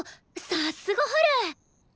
さっすがハル！